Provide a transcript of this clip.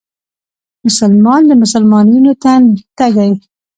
مسلمان د مسلمان وينو ته تږی